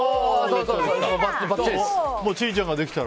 千里ちゃんができたら。